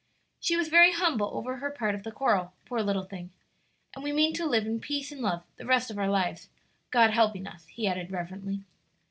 She was very humble over her part of the quarrel, poor little thing! and we mean to live in peace and love the rest of our lives, God helping us," he added reverently.